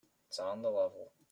It's on the level.